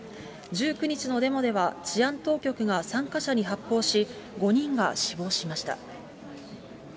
１９日のデモでは治安当局が参加者に発砲し、５人が死亡しました。